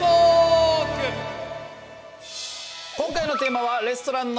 今回のテーマは「レストランの未来」。